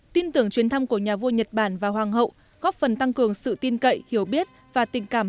tin tưởng chuyến thăm của nhà vua nhật bản và hoàng hậu góp phần tăng cường sự tin cậy hiểu biết và tình cảm